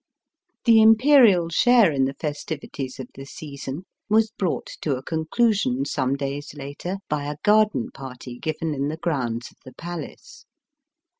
The Imperial share in the festivities of the season was brought to a conclusion some days later by a garden party given in the grounds of the Palace.